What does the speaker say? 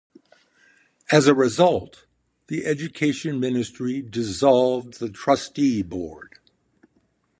As a result, the education ministry dissolved the trustee board.